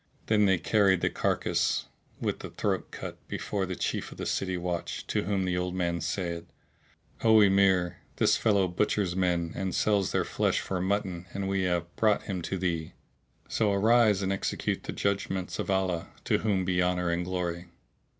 Then they carried the carcass, with the throat cut, before the Chief of the city watch, to whom the old man said, "O Emir, this fellow butchers men and sells their flesh for mutton and we have brought him to thee; so arise and execute the judgments of Allah (to whom be honour and glory!)."